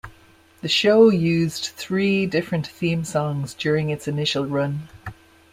The show used three different theme songs during its initial run.